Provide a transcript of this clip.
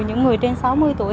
những người trên sáu mươi tuổi